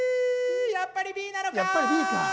やっぱりＢなのか？